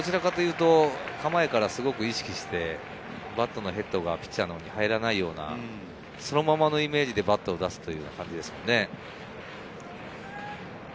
構えからすごく意識してバットのヘッドがピッチャーに入らないような、そのままのイメージでバットを出すという感じですね。